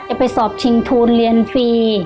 ไปสอบชิงทุนเรียนฟรี